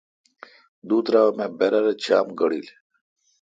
دو ترا ام اے°برر چام گڑیل۔